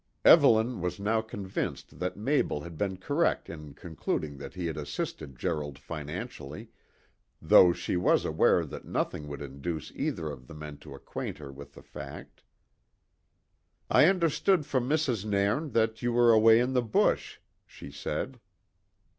Evelyn was now convinced that Mabel had been correct in concluding that he had assisted Gerald financially, though she was aware that nothing would induce either of the men to acquaint her with the fact. "I understood from Mrs. Nairn that you were away in the bush," she said.